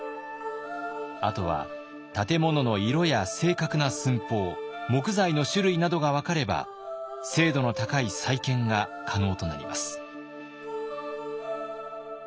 あとは建物の色や正確な寸法木材の種類などが分かれば精度の高い再建が可能となります。